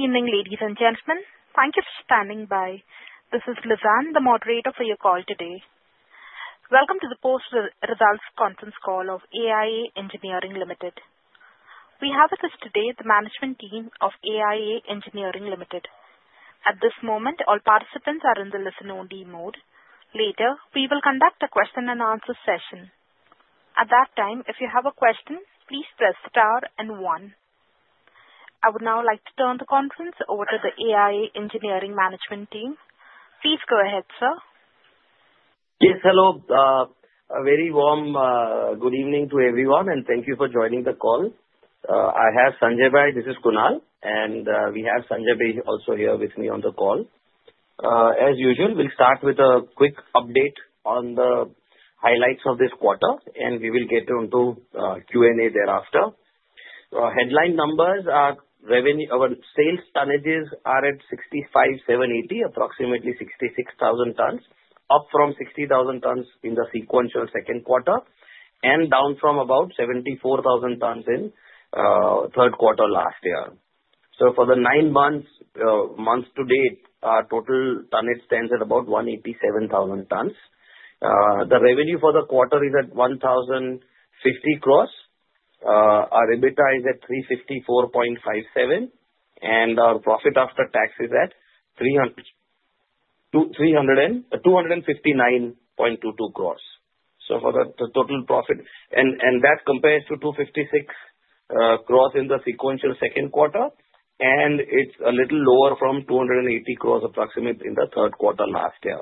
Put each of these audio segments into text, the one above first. Good evening, ladies and gentlemen. Thank you for standing by. This is Lizanne, the moderator for your call today. Welcome to the Post Results Conference Call of AIA Engineering Limited. We have with us today the management team of AIA Engineering Limited. At this moment, all participants are in the listen-only mode. Later, we will conduct a question-and-answer session. At that time, if you have a question, please press the star and one. I would now like to turn the conference over to the AIA Engineering Management Team. Please go ahead, sir. Yes, hello. A very warm, good evening to everyone, and thank you for joining the call. I have Sanjay Bhai. This is Kunal, and we have Sanjay Bhai also here with me on the call. As usual, we'll start with a quick update on the highlights of this quarter, and we will get into Q&A thereafter. Headline numbers are revenue or sales tonnages are at 65,780, approximately 66,000 tons, up from 60,000 tons in the sequential second quarter and down from about 74,000 tons in the third quarter last year. So for the nine months to date, our total tonnage stands at about 187,000 tons. The revenue for the quarter is at 1,050 crores. Our EBITDA is at 354.57 crores, and our profit after tax is at 259.22 crores. So for the total profit, and that compares to 256 crores in the sequential second quarter, and it's a little lower from 280 crores approximate in the third quarter last year.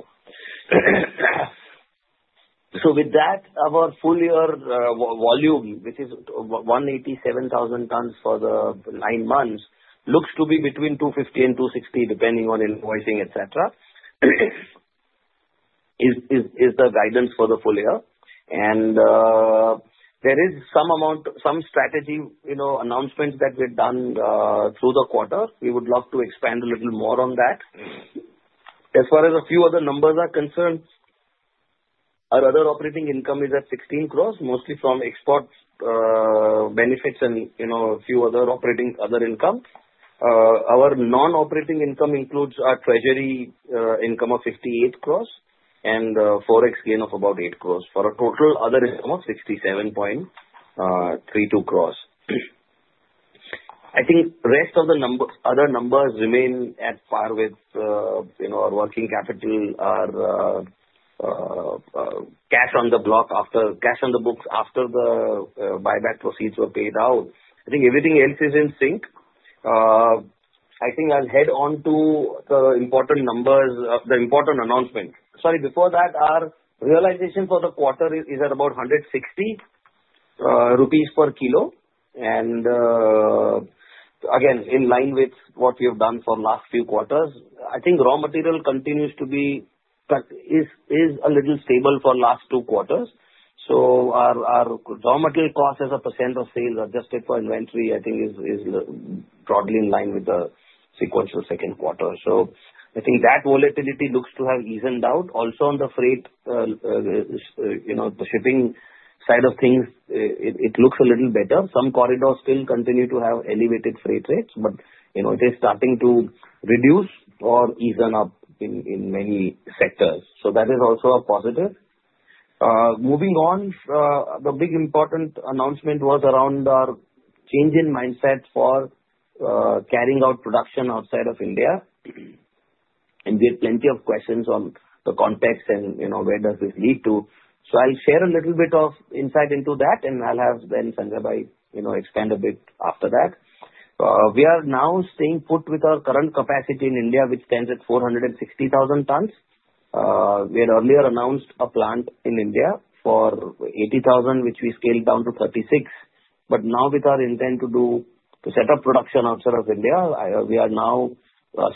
So with that, our full year volume, which is 187,000 tons for the nine months, looks to be between 250 and 260, depending on invoicing, etc., is the guidance for the full year. And there is some amount, some strategy announcements that we've done through the quarter. We would love to expand a little more on that. As far as a few other numbers are concerned, our other operating income is at 16 crores, mostly from export benefits and a few other operating other income. Our non-operating income includes our treasury income of 58 crores and forex gain of about 8 crores for a total other income of 67.32 crores. I think the rest of the other numbers remain at par with our working capital, our cash on the books after the buyback proceeds were paid out. I think everything else is in sync. I think I'll head on to the important numbers, the important announcement. Sorry, before that, our realization for the quarter is at about 160 rupees per kilo. And again, in line with what we have done for the last few quarters, I think raw material continues to be a little stable for the last two quarters. So our raw material cost as a % of sales adjusted for inventory, I think, is broadly in line with the sequential second quarter. So I think that volatility looks to have eased out. Also, on the freight, the shipping side of things, it looks a little better. Some corridors still continue to have elevated freight rates, but it is starting to reduce or ease up in many sectors. So that is also a positive. Moving on, the big important announcement was around our change in mindset for carrying out production outside of India. And we had plenty of questions on the context and where does this lead to. So I'll share a little bit of insight into that, and I'll have then Sanjay Bhai expand a bit after that. We are now staying put with our current capacity in India, which stands at 460,000 tons. We had earlier announced a plant in India for 80,000, which we scaled down to 36. But now, with our intent to set up production outside of India, we are now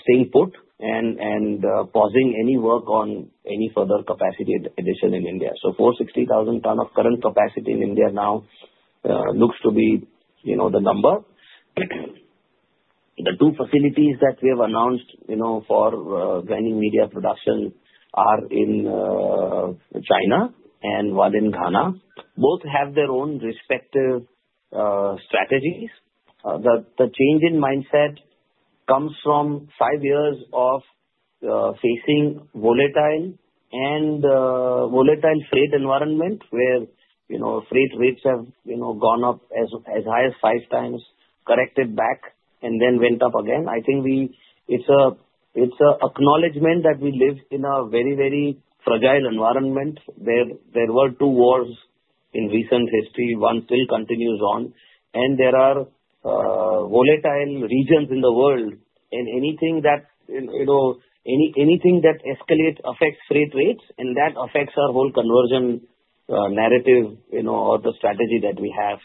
staying put and pausing any work on any further capacity addition in India. 460,000 tons of current capacity in India now looks to be the number. The two facilities that we have announced for grinding media production are in China and one in Ghana. Both have their own respective strategies. The change in mindset comes from five years of facing volatile freight environment where freight rates have gone up as high as five times, corrected back, and then went up again. I think it's an acknowledgment that we live in a very, very fragile environment where there were two wars in recent history. One still continues on, and there are volatile regions in the world. Anything that escalates affects freight rates, and that affects our whole conversion narrative or the strategy that we have.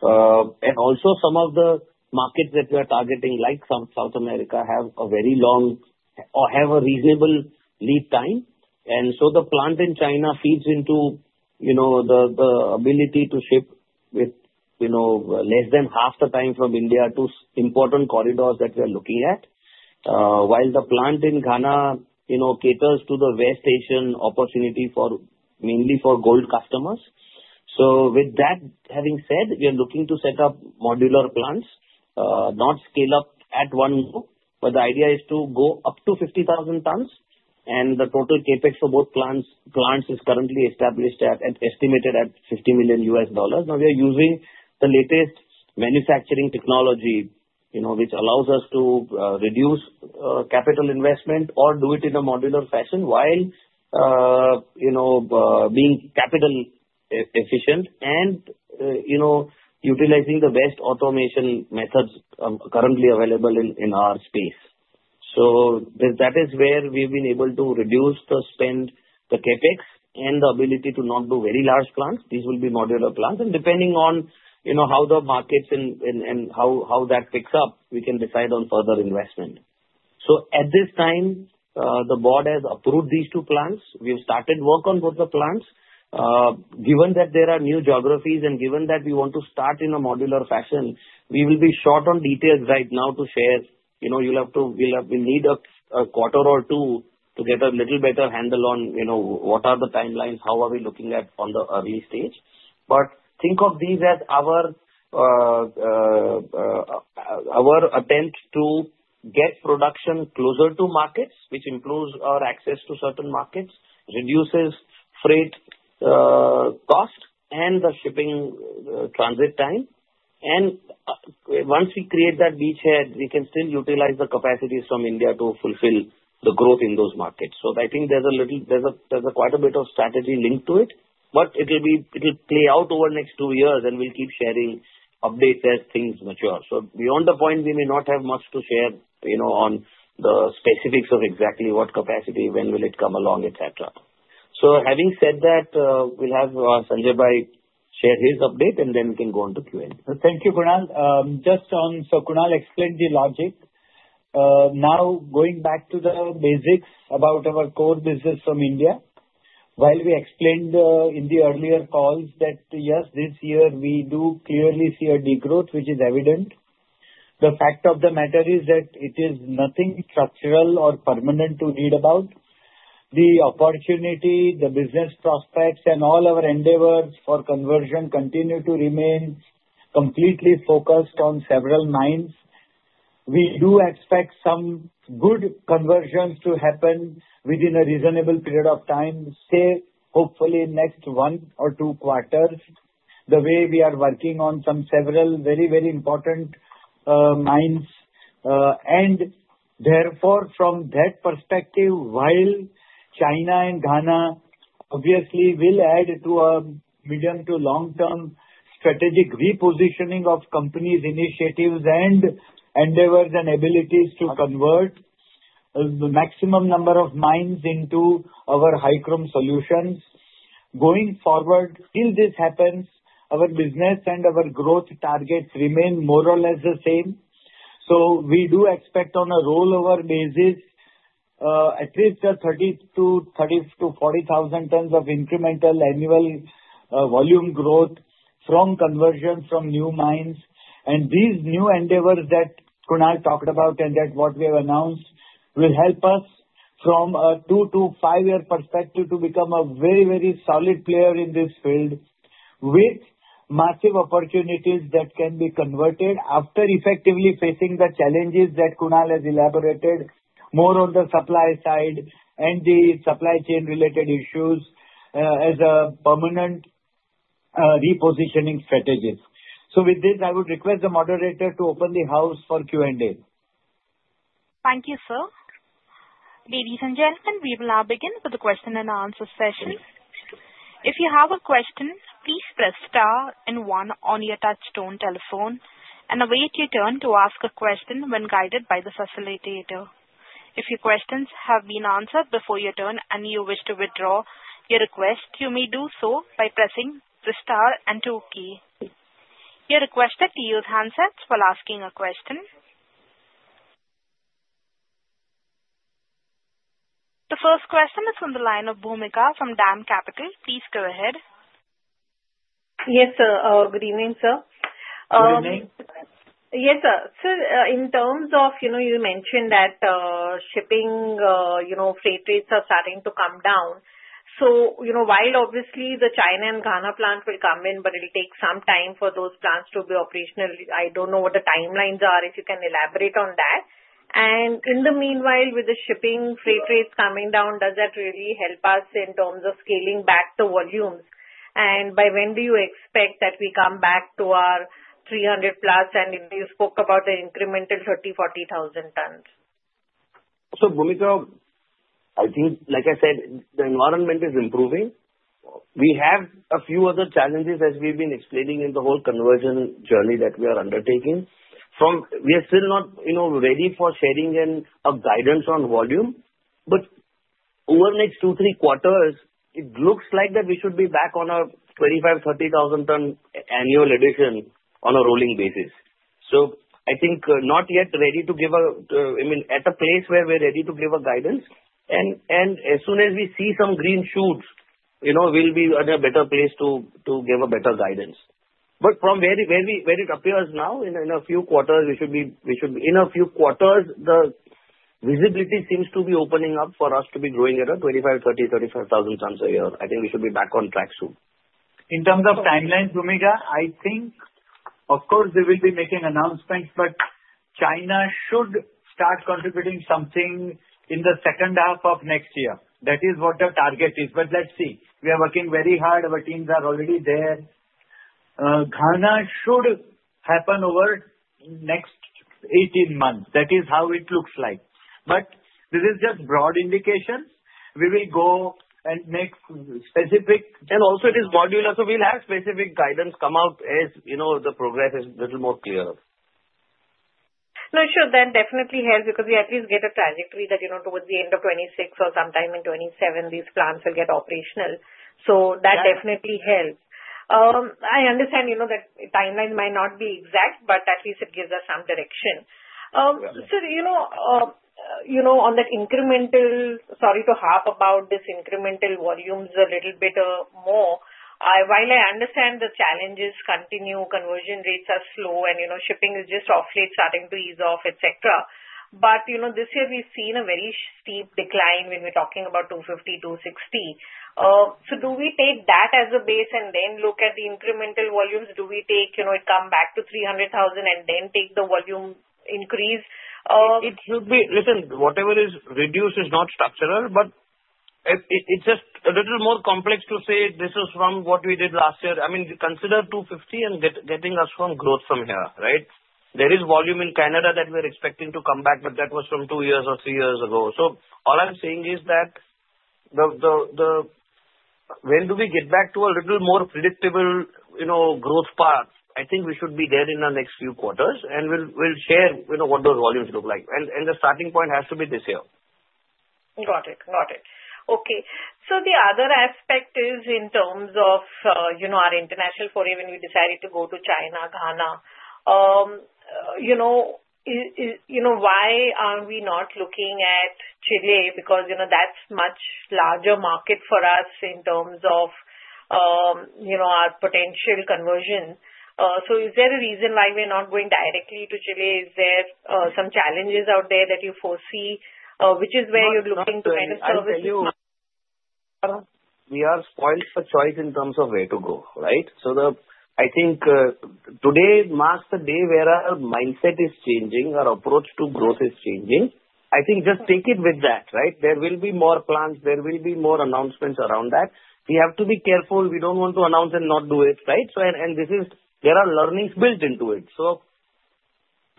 Some of the markets that we are targeting, like South America, have a very long or have a reasonable lead time. The plant in China feeds into the ability to ship with less than half the time from India to important corridors that we are looking at, while the plant in Ghana caters to the West Asian opportunity mainly for gold customers. With that having said, we are looking to set up modular plants, not scale up at one. The idea is to go up to 50,000 tons, and the total CapEx for both plants is currently established at and estimated at $50 million. Now, we are using the latest manufacturing technology, which allows us to reduce capital investment or do it in a modular fashion while being capital efficient and utilizing the best automation methods currently available in our space. That is where we've been able to reduce the spend, the CapEx, and the ability to not do very large plants. These will be modular plants. And depending on how the markets and how that picks up, we can decide on further investment. So at this time, the board has approved these two plants. We have started work on both the plants. Given that there are new geographies and given that we want to start in a modular fashion, we will be short on details right now to share. You'll have to. We'll need a quarter or two to get a little better handle on what are the timelines, how are we looking at on the early stage. But think of these as our attempt to get production closer to markets, which improves our access to certain markets, reduces freight cost, and the shipping transit time. And once we create that beachhead, we can still utilize the capacities from India to fulfill the growth in those markets. So I think there's quite a bit of strategy linked to it, but it will play out over the next two years, and we'll keep sharing updates as things mature. So beyond the point, we may not have much to share on the specifics of exactly what capacity, when will it come along, etc. So having said that, we'll have Sanjay Bhai share his update, and then we can go on to Q&A. Thank you, Kunal. Just one, so Kunal explained the logic. Now, going back to the basics about our core business from India, while we explained in the earlier calls that, yes, this year we do clearly see a degrowth, which is evident. The fact of the matter is that it is nothing structural or permanent to read about. The opportunity, the business prospects, and all our endeavors for conversion continue to remain completely focused on several mills. We do expect some good conversions to happen within a reasonable period of time, say, hopefully next one or two quarters, the way we are working on some several very, very important mills. And therefore, from that perspective, while China and Ghana obviously will add to a medium to long-term strategic repositioning of companies' initiatives and endeavors and abilities to convert the maximum number of mills into our high-chrome solutions. Going forward, till this happens, our business and our growth targets remain more or less the same, so we do expect on a rollover basis, at least 30,000-40,000 tons of incremental annual volume growth from conversion from new mines, and these new endeavors that Kunal talked about and what we have announced will help us from a two- to five-year perspective to become a very, very solid player in this field with massive opportunities that can be converted after effectively facing the challenges that Kunal has elaborated more on the supply side and the supply chain-related issues as a permanent repositioning strategy, so with this, I would request the moderator to open the floor for Q&A. Thank you, sir. Ladies and gentlemen, we will now begin with the question-and-answer session. If you have a question, please press star and one on your touch-tone telephone and await your turn to ask a question when guided by the facilitator. If your questions have been answered before your turn and you wish to withdraw your request, you may do so by pressing the star and two key. You're requested to use handsets while asking a question. The first question is from the line of Bhumika from DAM Capital. Please go ahead. Yes, sir. Good evening, sir. Good evening. Yes, sir. Sir, in terms of you mentioned that shipping freight rates are starting to come down. So while obviously the China and Ghana plant will come in, but it'll take some time for those plants to be operational. I don't know what the timelines are. If you can elaborate on that. And in the meanwhile, with the shipping freight rates coming down, does that really help us in terms of scaling back the volumes? And by when do you expect that we come back to our 300-plus? And you spoke about an incremental 30,000-40,000 tons. Bhumika, like I said, the environment is improving. We have a few other challenges, as we've been explaining in the whole conversion journey that we are undertaking. We are still not ready for sharing a guidance on volume. But over the next two, three quarters, it looks like that we should be back on a 25,000-30,000-ton annual addition on a rolling basis. So I think not yet ready to give a. I mean, at a place where we're ready to give a guidance. And as soon as we see some green shoots, we'll be at a better place to give a better guidance. But from where it appears now, in a few quarters, we should be. In a few quarters, the visibility seems to be opening up for us to be growing at a 25,000, 30,000, 35,000 tons a year. I think we should be back on track soon. In terms of timelines, Bhumika, I think, of course, we will be making announcements, but China should start contributing something in the second half of next year. That is what the target is. But let's see. We are working very hard. Our teams are already there. Ghana should happen over the next 18 months. That is how it looks like. But this is just broad indications. We will go and make specific. Also, it is modular. We'll have specific guidance come out as the progress is a little more clearer. That should then definitely help because we at least get a trajectory that towards the end of 2026 or sometime in 2027, these plants will get operational. So that definitely helps. I understand that timelines might not be exact, but at least it gives us some direction. Sir, on that incremental, sorry to harp about this incremental volumes a little bit more. While I understand the challenges continue, conversion rates are slow, and shipping is just of late, starting to ease off, etc. But this year, we've seen a very steep decline when we're talking about 250, 260. So do we take that as a base and then look at the incremental volumes? Do we take it come back to 300,000 and then take the volume increase? Listen, whatever is reduced is not structural, but it's just a little more complex to say this is from what we did last year. I mean, consider 250 and getting us some growth from here, right? There is volume in Canada that we're expecting to come back, but that was from two years or three years ago. So all I'm saying is that when do we get back to a little more predictable growth path? I think we should be there in the next few quarters, and we'll share what those volumes look like, and the starting point has to be this year. Got it. Got it. Okay. So the other aspect is in terms of our international foray when we decided to go to China, Ghana. Why are we not looking at Chile? Because that's a much larger market for us in terms of our potential conversion. So is there a reason why we're not going directly to Chile? Is there some challenges out there that you foresee, which is where you're looking to better service? We are spoiled for choice in terms of where to go, right? So I think today marks the day where our mindset is changing. Our approach to growth is changing. I think just take it with that, right? There will be more plants. There will be more announcements around that. We have to be careful. We don't want to announce and not do it, right? And there are learnings built into it. So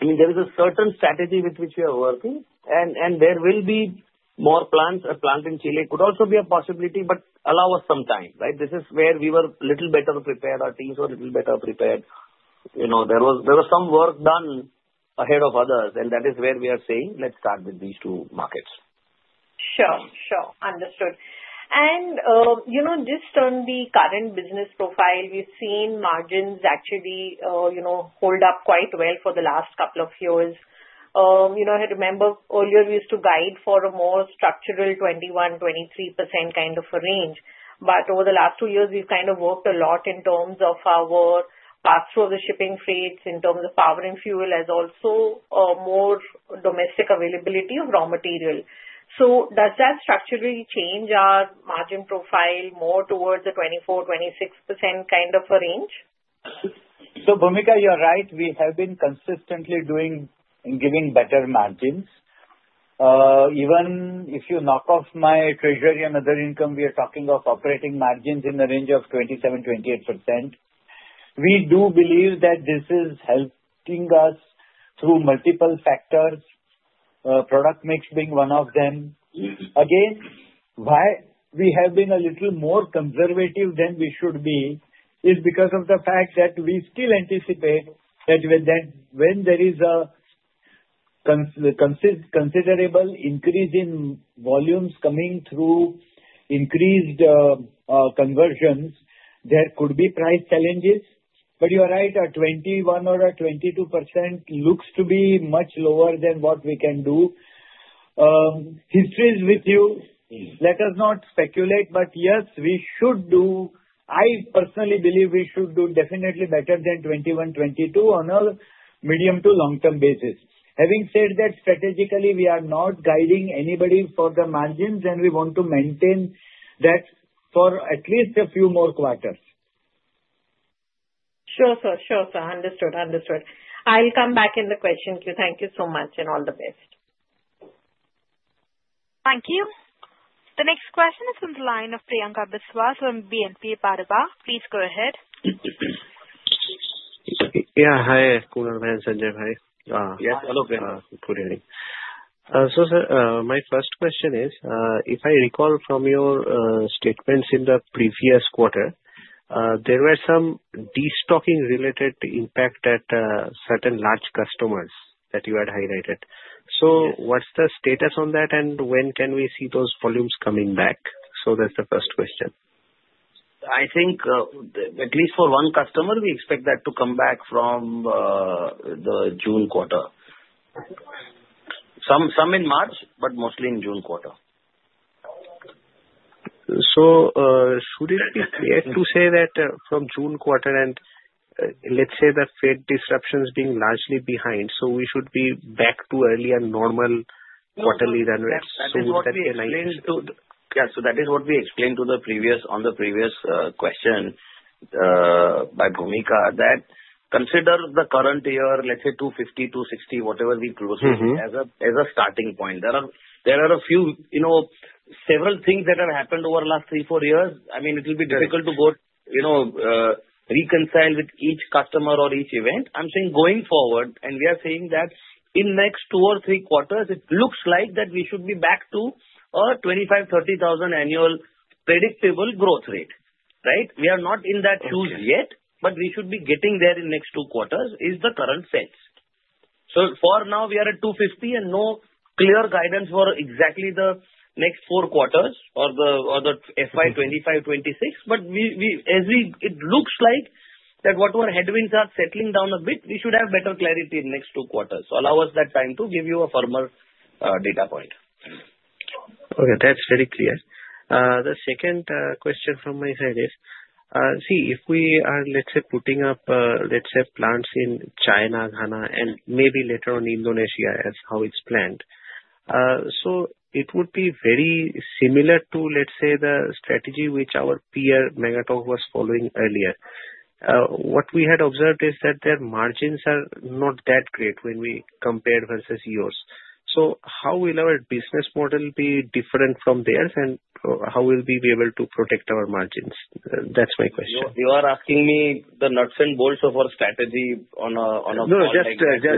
I mean, there is a certain strategy with which we are working, and there will be more plants. A plant in Chile could also be a possibility, but allow us some time, right? This is where we were a little better prepared. Our teams were a little better prepared. There was some work done ahead of others, and that is where we are saying, "Let's start with these two markets. Sure. Sure. Understood. And just on the current business profile, we've seen margins actually hold up quite well for the last couple of years. I remember earlier we used to guide for a more structural 21%-23% kind of a range. But over the last two years, we've kind of worked a lot in terms of our pass-through of the shipping freights, in terms of power and fuel as well as more domestic availability of raw material. So does that structurally change our margin profile more towards the 24%-26% kind of a range? So Bhumika, you're right. We have been consistently giving better margins. Even if you knock off my treasury and other income, we are talking of operating margins in the range of 27%-28%. We do believe that this is helping us through multiple factors, product mix being one of them. Again, why we have been a little more conservative than we should be is because of the fact that we still anticipate that when there is a considerable increase in volumes coming through increased conversions, there could be price challenges. But you're right, a 21% or a 22% looks to be much lower than what we can do. History is with you. Let us not speculate, but yes, we should do. I personally believe we should do definitely better than 21%-22% on a medium to long-term basis. Having said that, strategically, we are not guiding anybody for the margins, and we want to maintain that for at least a few more quarters. Sure, sir. Sure, sir. Understood. Understood. I'll come back in the question queue. Thank you so much and all the best. Thank you. The next question is from the line of Priyankar Biswas from BNP Paribas. Please go ahead. Yeah. Hi, Kunal Shah. Sanjay Majmudar. Yes. Hello, Priyankar. Good evening. So, sir, my first question is, if I recall from your statements in the previous quarter, there were some destocking-related impact at certain large customers that you had highlighted. So, what's the status on that, and when can we see those volumes coming back? So, that's the first question. I think at least for one customer, we expect that to come back from the June quarter. Some in March, but mostly in June quarter. So should it be fair to say that from June quarter and let's say the freight disruptions being largely behind, so we should be back to earlier normal quarterly run rates? So is that the. Yeah. So that is what we explained on the previous question by Bhumika, that consider the current year, let's say 250, 260, whatever we closed as a starting point. There are a few several things that have happened over the last three, four years. I mean, it will be difficult to go reconcile with each customer or each event. I'm saying going forward, and we are saying that in the next two or three quarters, it looks like that we should be back to a 25,000, 30,000 annual predictable growth rate, right? We are not in that huge yet, but we should be getting there in the next two quarters is the current sense. So for now, we are at 250, and no clear guidance for exactly the next four quarters or the FY 2025, 2026. But it looks like that whatever headwinds are settling down a bit, we should have better clarity in the next two quarters. So allow us that time to give you a firmer data point. Okay. That's very clear. The second question from my side is, see, if we are, let's say, putting up, let's say, plants in China, Ghana, and maybe later on Indonesia as how it's planned, so it would be very similar to, let's say, the strategy which our peer Magotteaux was following earlier. What we had observed is that their margins are not that great when we compared versus yours. So how will our business model be different from theirs, and how will we be able to protect our margins? That's my question. You are asking me the nuts and bolts of our strategy on a broader scale. No,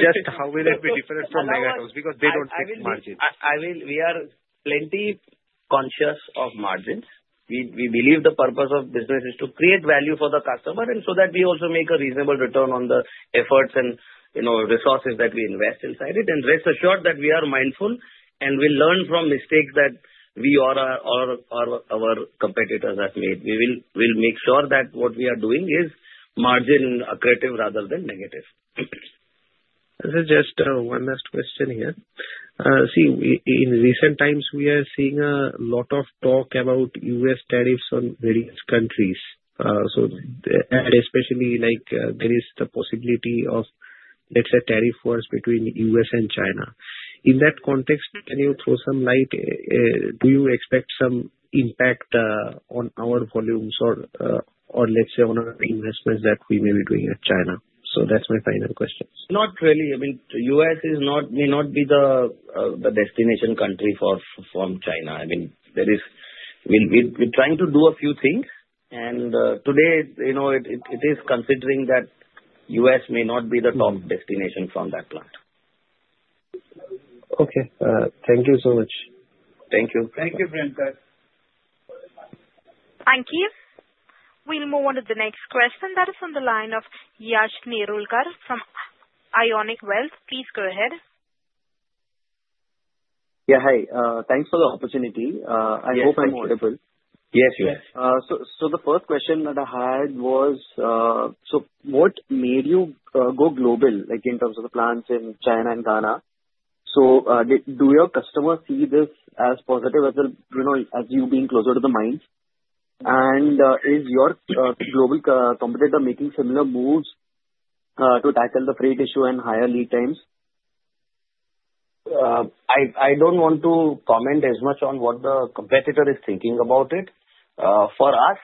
just how will it be different from Magotteaux's because they don't fix margins? I mean, we are plenty conscious of margins. We believe the purpose of business is to create value for the customer and so that we also make a reasonable return on the efforts and resources that we invest inside it. Rest assured that we are mindful and will learn from mistakes that we or our competitors have made. We will make sure that what we are doing is margin-accretive rather than negative. This is just one last question here. See, in recent times, we are seeing a lot of talk about U.S. tariffs on various countries. So especially there is the possibility of, let's say, tariff wars between the U.S. and China. In that context, can you throw some light? Do you expect some impact on our volumes or, let's say, on our investments that we may be doing at China? So that's my final question. Not really. I mean, the U.S. may not be the destination country from China. I mean, we're trying to do a few things, and today it is considering that the U.S. may not be the top destination from that plant. Okay. Thank you so much. Thank you. Thank you, Priyankar. Thank you. We'll move on to the next question. That is from the line of Yash Nerurkar from InCred Equities. Please go ahead. Yeah. Hi. Thanks for the opportunity. I hope I'm audible. Yes, you are. So the first question that I had was, so what made you go global in terms of the plants in China and Ghana? So do your customers see this as positive as you being closer to the mines? And is your global competitor making similar moves to tackle the freight issue and higher lead times? I don't want to comment as much on what the competitor is thinking about it. For us,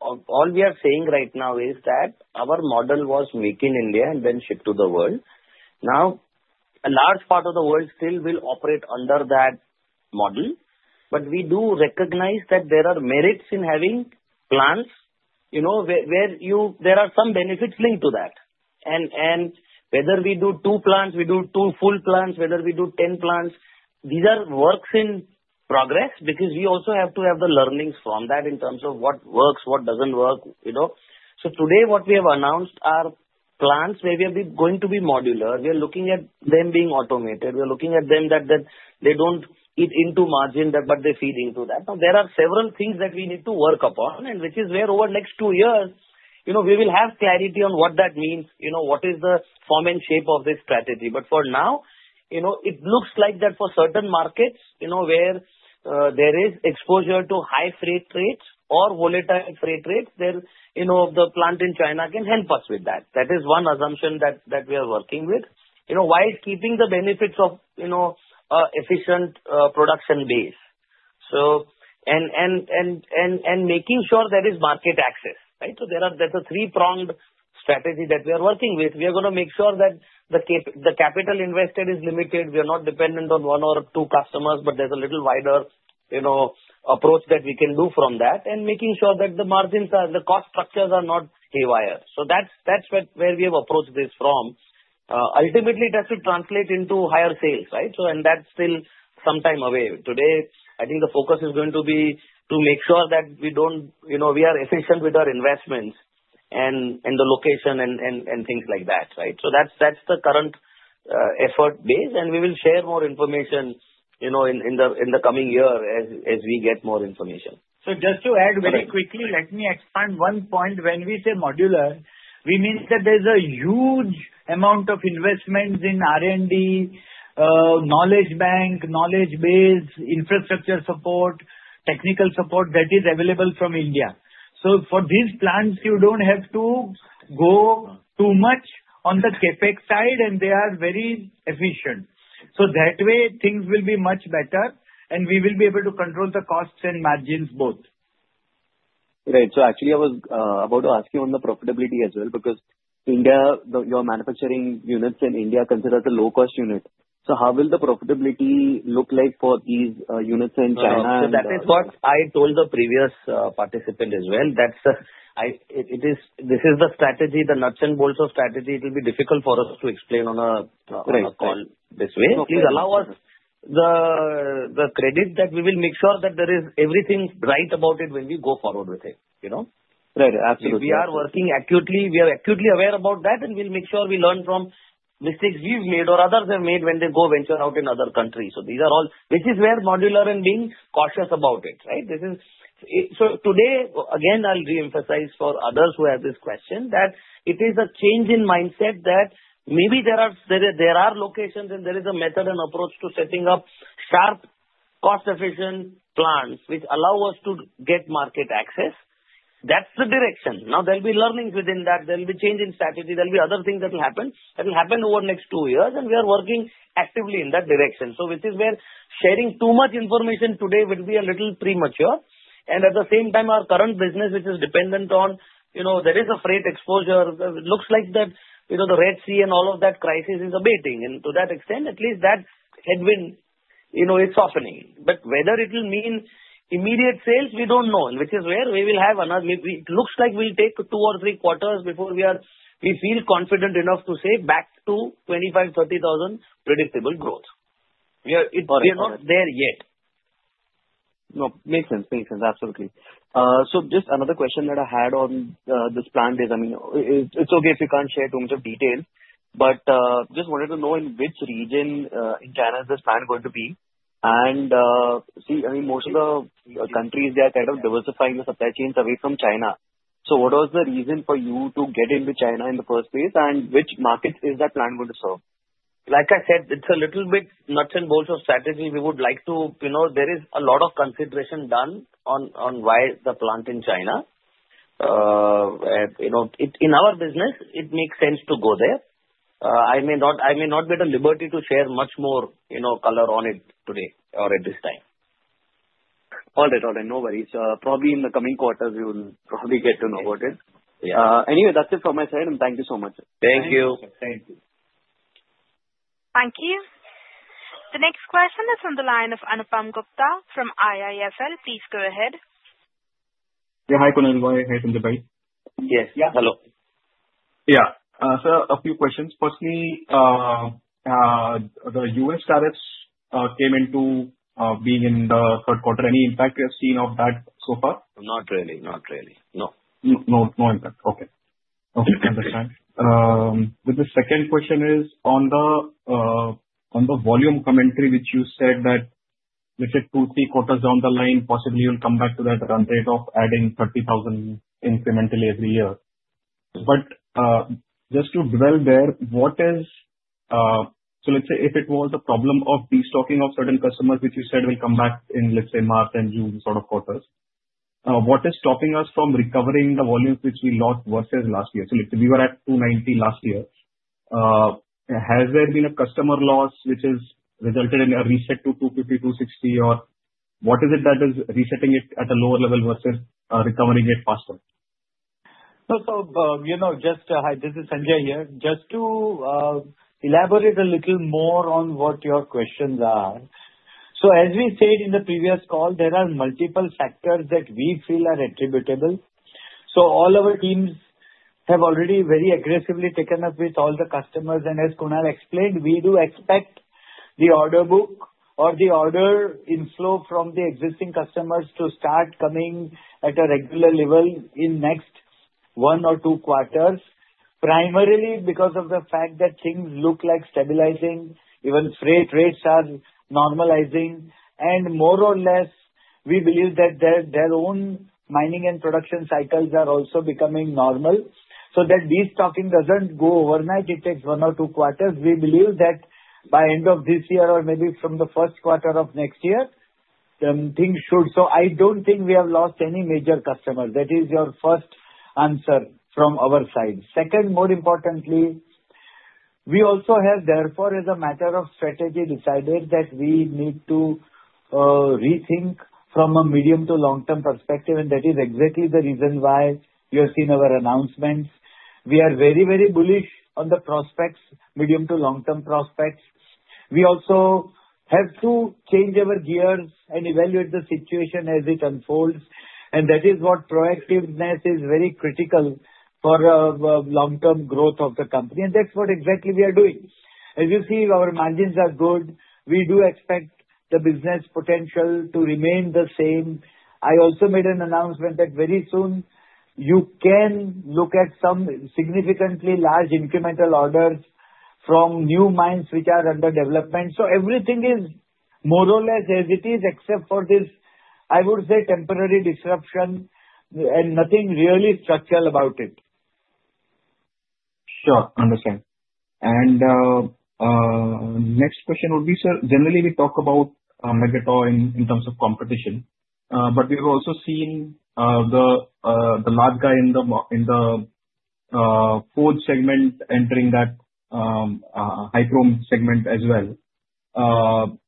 all we are saying right now is that our model was make in India and then ship to the world. Now, a large part of the world still will operate under that model. But we do recognize that there are merits in having plants where there are some benefits linked to that. And whether we do two plants, we do two full plants, whether we do 10 plants, these are works in progress because we also have to have the learnings from that in terms of what works, what doesn't work. So today, what we have announced are plants where we are going to be modular. We are looking at them being automated. We are looking at them that they don't eat into margin, but they feed into that. Now, there are several things that we need to work upon, which is where over the next two years, we will have clarity on what that means, what is the form and shape of this strategy. But for now, it looks like that for certain markets where there is exposure to high freight rates or volatile freight rates, the plant in China can help us with that. That is one assumption that we are working with while keeping the benefits of efficient production base. And making sure there is market access, right? So there's a three-pronged strategy that we are working with. We are going to make sure that the capital invested is limited. We are not dependent on one or two customers, but there's a little wider approach that we can do from that and making sure that the margins and the cost structures are not haywire. So that's where we have approached this from. Ultimately, it has to translate into higher sales, right? And that's still some time away. Today, I think the focus is going to be to make sure that we are efficient with our investments and the location and things like that, right? So that's the current effort base. We will share more information in the coming year as we get more information. So just to add very quickly, let me expand one point. When we say modular, we mean that there's a huge amount of investments in R&D, knowledge bank, knowledge base, infrastructure support, technical support that is available from India. So for these plants, you don't have to go too much on the CapEx side, and they are very efficient. So that way, things will be much better, and we will be able to control the costs and margins both. Right. So actually, I was about to ask you on the profitability as well because your manufacturing units in India are considered the low-cost unit. So how will the profitability look like for these units in China? So that is what I told the previous participant as well. This is the strategy, the nuts and bolts of strategy. It will be difficult for us to explain on a call this way. Please allow us the credit that we will make sure that there is everything right about it when we go forward with it. Right. Absolutely. We are working accurately. We are accurately aware about that, and we'll make sure we learn from mistakes we've made or others have made when they go venture out in other countries. So these are all which is where modular and being cautious about it, right? So today, again, I'll reemphasize for others who have this question that it is a change in mindset that maybe there are locations and there is a method and approach to setting up sharp, cost-efficient plants which allow us to get market access. That's the direction. Now, there'll be learnings within that. There'll be change in strategy. There'll be other things that will happen. That will happen over the next two years, and we are working actively in that direction. So which is where sharing too much information today would be a little premature. At the same time, our current business, which is dependent on. There is a freight exposure. It looks like that the Red Sea and all of that crisis is abating. And to that extent, at least that headwind is softening. But whether it will mean immediate sales, we don't know. And which is where we will have another. It looks like we'll take two or three quarters before we feel confident enough to say back to 25,000-30,000 predictable growth. We are not there yet. Makes sense. Makes sense. Absolutely. So just another question that I had on this plant is, I mean, it's okay if you can't share too much of detail, but just wanted to know in which region in China is this plant going to be. And see, I mean, most of the countries, they are kind of diversifying the supply chains away from China. So what was the reason for you to get into China in the first place, and which markets is that plant going to serve? Like I said, it's a little bit nuts and bolts of strategy. We would like to. There is a lot of consideration done on why the plant in China. In our business, it makes sense to go there. I may not get the liberty to share much more color on it today or at this time. All right. All right. No worries. Probably in the coming quarters, we will probably get to know about it. Anyway, that's it from my side, and thank you so much. Thank you. Thank you. Thank you. The next question is from the line of Anupam Gupta from IIFL. Please go ahead. Yeah. Hi, Kunal Shah. Hi, from the bank. Yes. Yeah. Hello. Yeah. So a few questions. Firstly, the U.S. tariffs came into being in the third quarter. Any impact we have seen of that so far? Not really. Not really. No. No impact. Okay. Okay. Understood. With the second question is on the volume commentary, which you said that, let's say, two, three quarters down the line, possibly you'll come back to that rate of adding 30,000 incrementally every year. But just to dwell there, what is so let's say if it was a problem of destocking of certain customers, which you said will come back in, let's say, March and June sort of quarters, what is stopping us from recovering the volumes which we lost versus last year? So we were at 290 last year. Has there been a customer loss which has resulted in a reset to 250, 260, or what is it that is resetting it at a lower level versus recovering it faster? So, just hi, this is Sanjay here. Just to elaborate a little more on what your questions are. So as we said in the previous call, there are multiple factors that we feel are attributable. So all our teams have already very aggressively taken up with all the customers. And as Kunal explained, we do expect the order book or the order inflow from the existing customers to start coming at a regular level in the next one or two quarters, primarily because of the fact that things look like stabilizing, even freight rates are normalizing. And more or less, we believe that their own mining and production cycles are also becoming normal. So that destocking doesn't go overnight. It takes one or two quarters. We believe that by end of this year or maybe from the first quarter of next year, things should. So I don't think we have lost any major customers. That is your first answer from our side. Second, more importantly, we also have, therefore, as a matter of strategy, decided that we need to rethink from a medium to long-term perspective. And that is exactly the reason why you have seen our announcements. We are very, very bullish on the prospects, medium to long-term prospects. We also have to change our gears and evaluate the situation as it unfolds. And that is what proactiveness is very critical for long-term growth of the company. And that's what exactly we are doing. As you see, our margins are good. We do expect the business potential to remain the same. I also made an announcement that very soon, you can look at some significantly large incremental orders from new mines which are under development. So everything is more or less as it is, except for this, I would say, temporary disruption and nothing really structural about it. Sure. Understood. And next question would be, sir, generally, we talk about Magotteaux in terms of competition, but we've also seen the large guy in the forged segment entering that high chrome segment as well.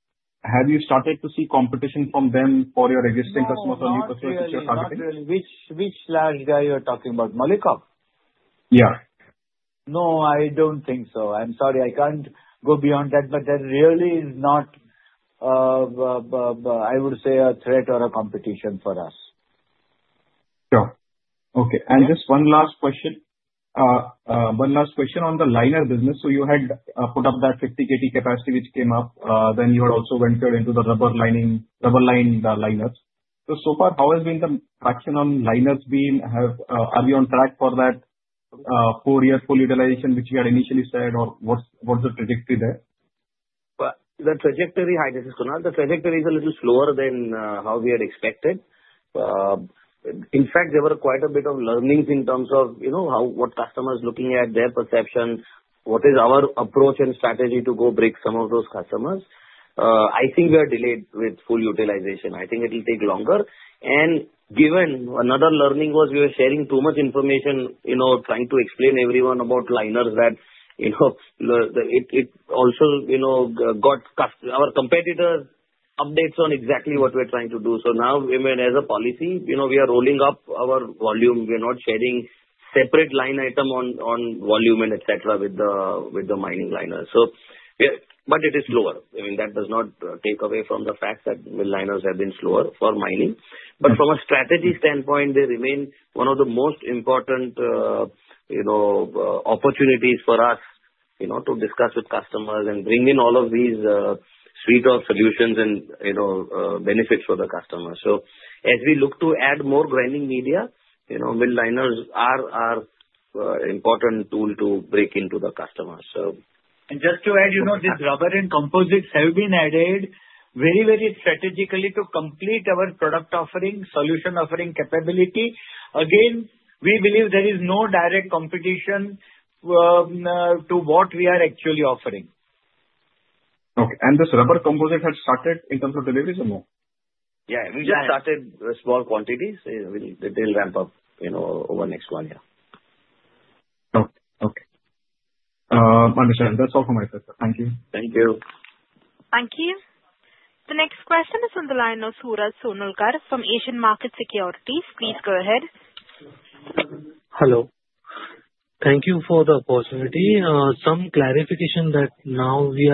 Have you started to see competition from them for your existing customers on your targeting? Which large guy you're talking about? Molycop? Yeah. No, I don't think so. I'm sorry. I can't go beyond that, but that really is not, I would say, a threat or a competition for us. Sure. Okay, and just one last question. One last question on the liner business. So you had put up that 50 KT capacity which came up. Then you had also ventured into the rubber liners. So, so far, how has the traction on liners been? Are we on track for that four-year full utilization which you had initially said, or what's the trajectory there? The trajectory, hi, this is Kunal. The trajectory is a little slower than how we had expected. In fact, there were quite a bit of learnings in terms of what customers are looking at, their perception, what is our approach and strategy to go break some of those customers. I think we are delayed with full utilization. I think it will take longer, and given another learning was we were sharing too much information, trying to explain everyone about liners that it also got our competitors' updates on exactly what we're trying to do. So now, as a policy, we are rolling up our volume. We are not sharing separate line item on volume and etc. with the mining liners, but it is slower. I mean, that does not take away from the fact that liners have been slower for mining. But from a strategy standpoint, they remain one of the most important opportunities for us to discuss with customers and bring in all of these suites of solutions and benefits for the customers. So as we look to add more grinding media, mill liners are an important tool to break into the customers. And just to add, these rubber and composite liners have been added very, very strategically to complete our product offering, solution offering capability. Again, we believe there is no direct competition to what we are actually offering. Okay, and this rubber composite has started in terms of deliveries or no? Yeah. We just started small quantities. They'll ramp up over the next one year. Okay. Okay. Understood. That's all from my side, sir. Thank you. Thank you. Thank you. The next question is from the line of Suraj Sonulkar from Asian Market Securities. Please go ahead. Hello. Thank you for the opportunity. Some clarification that now we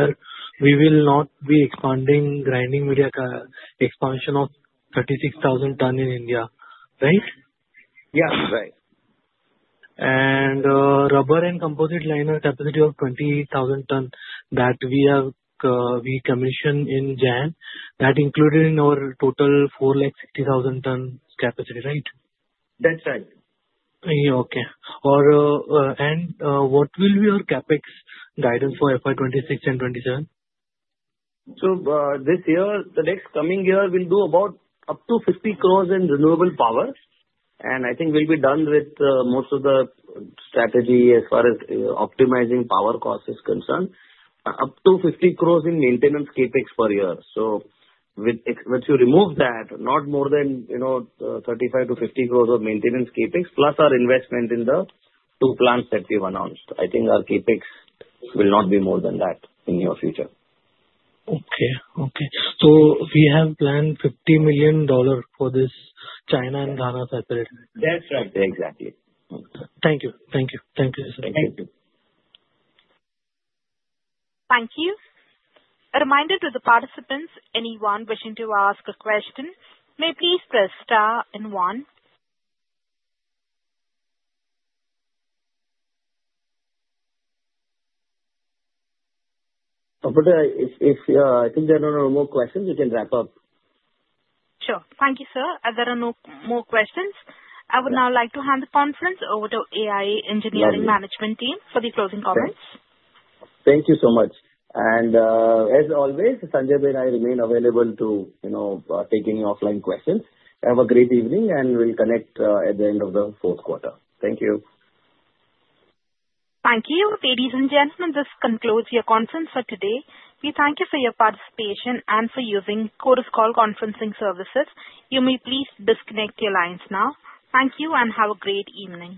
will not be expanding grinding media expansion of 36,000 tons in India, right? Yeah. Right. Rubber and composite liners capacity of 20,000 tons that we commissioned in January, that included in our total 460,000 tons capacity, right? That's right. Okay, and what will be our CapEx guidance for FY 2026 and 2027? So this year, the next coming year, we'll do about up to 50 crores in renewable power. And I think we'll be done with most of the strategy as far as optimizing power cost is concerned. Up to 50 crores in maintenance CapEx per year. So once you remove that, not more than 35-50 crores of maintenance CapEx, plus our investment in the two plants that we've announced. I think our CapEx will not be more than that in the near future. Okay. So we have planned $50 million for this China and Ghana separate. That's right. Exactly. Thank you. Thank you. Thank you, sir. Thank you. Thank you. A reminder to the participants, anyone wishing to ask a question, may please press star and one. But if I think there are no more questions, we can wrap up. Sure. Thank you, sir. There are no more questions. I would now like to hand the conference over to AIA Engineering Management Team for the closing comments. Thank you so much. And as always, Sanjay and I remain available to take any offline questions. Have a great evening, and we'll connect at the end of the fourth quarter. Thank you. Thank you. Ladies and gentlemen, this concludes your conference for today. We thank you for your participation and for using Chorus Call conferencing services. You may please disconnect your lines now. Thank you and have a great evening.